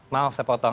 maaf saya penuh